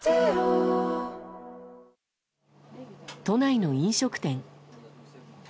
都内の飲食店。